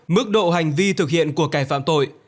mức độ hành vi thực hiện của cải phạm tội